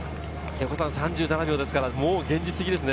３７秒ですから、現実的ですね。